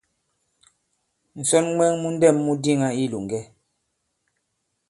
Ǹsɔn mwɛ̄ŋ mu ndɛ̂m mu diŋā i ilòŋgɛ.